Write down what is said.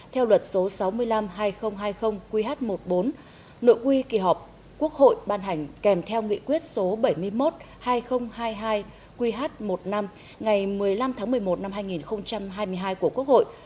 theo luật số sáu mươi năm hai nghìn hai mươi qh một mươi bốn nội quy kỳ họp quốc hội ban hành kèm theo nghị quyết số bảy mươi một hai nghìn hai mươi hai qh một mươi năm ngày một mươi năm tháng một mươi một năm hai nghìn hai mươi hai của quốc hội